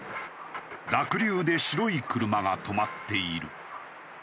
濁流で白い車が止まっている。